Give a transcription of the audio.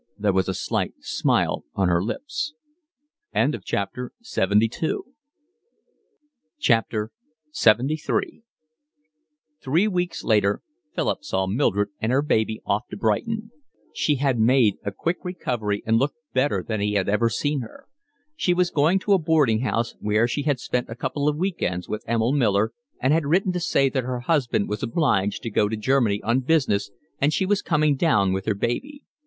There was a slight smile on her lips. LXXIII Three weeks later Philip saw Mildred and her baby off to Brighton. She had made a quick recovery and looked better than he had ever seen her. She was going to a boarding house where she had spent a couple of weekends with Emil Miller, and had written to say that her husband was obliged to go to Germany on business and she was coming down with her baby.